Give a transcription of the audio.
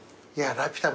『ラピュタ』ね。